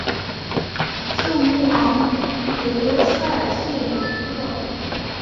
圣乌昂德塞谢鲁夫尔。